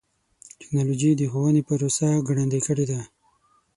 ټکنالوجي د ښوونې پروسه ګړندۍ کړې ده.